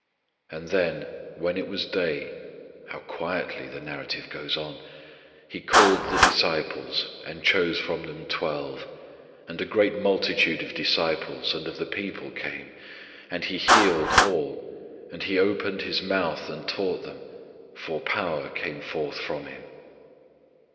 And then, "when it was day" how quietly the narrative goes on "He called the disciples and chose from them twelve, and a great multitude of disciples and of the people came, and He healed all and He opened His mouth and taught them _for power came forth from Him."